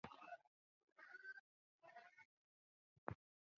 开始想搬回乡下住